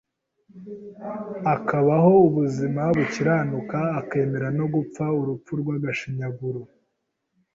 akabaho ubuzima bukiranuka akemera no gupfa urupfu rw’agashinyaguro